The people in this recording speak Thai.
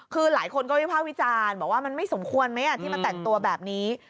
คือหลายคนก็วิภาควิจารณ์บอกว่ามันไม่สมควรไหมที่มาแต่งตัวแบบนี้